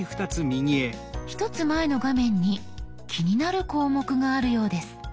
１つ前の画面に気になる項目があるようです。